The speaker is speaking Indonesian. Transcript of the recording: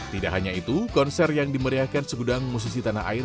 tidak hanya itu konser yang dimeriahkan segudang musisi tanah air